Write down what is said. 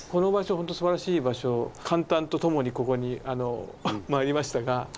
ほんとすばらしい場所感嘆とともにここに参りましたが。